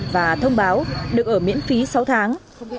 và thông báo được ở miễn phí sáu tháng